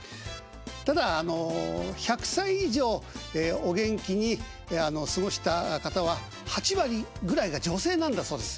ただあの１００歳以上お元気に過ごした方は８割ぐらいが女性なんだそうです。